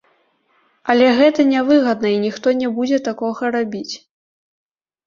Але гэта нявыгадна, і ніхто не будзе такога рабіць.